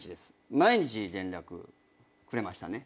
毎日連絡くれましたね。